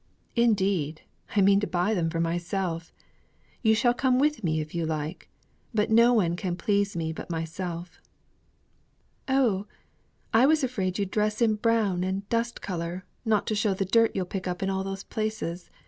"Indeed I mean to buy them for myself. You shall come with me if you like; but no one can please me but myself." "Oh! I was afraid you'd dress in brown and dust colour, not to show the dirt you'll pick up in all those places.